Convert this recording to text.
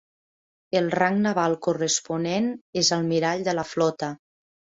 El rang naval corresponent és almirall de la flota.